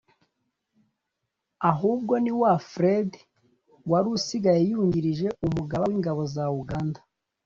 ahubwo ni wa fred wari usigaye yungirije umugaba w'ingabo za uganda.